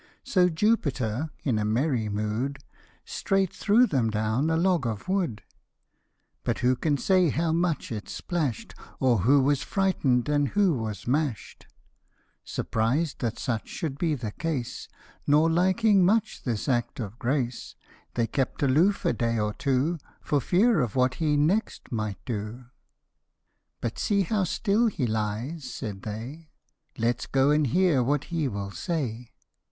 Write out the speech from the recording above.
So Jupiter, in merry mood, Straight threw them down a log of wood : But who can say how much it splash'd, Or who was frighten'd, who was mash'd ? Surprised that such should be the case, Nor liking much this act of grace, They kept aloof a day or two, For fear of what he next might do. " But see, how still he lies," said they, " Let's go and hear what he will say."